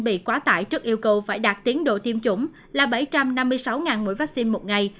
bị quá tải trước yêu cầu phải đạt tiến độ tiêm chủng là bảy trăm năm mươi sáu mũi vaccine một ngày